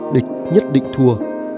địch nhất định thua